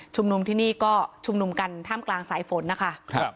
นุมที่นี่ก็ชุมนุมกันท่ามกลางสายฝนนะคะ